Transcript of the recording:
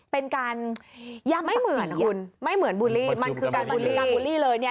เป็นการยับสติไม่เหมือนบูลลี่มันคือการบูลลี่เลยเนี่ยแหละ